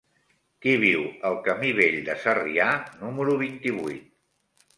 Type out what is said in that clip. Qui viu al camí Vell de Sarrià número vint-i-vuit?